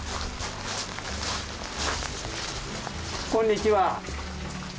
こんにちは。